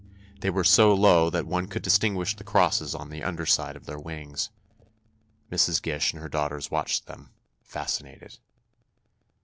They were so low that one could distinguish the crosses on the under side of their wings. Mrs. Gish and her daughters watched them, fascinated.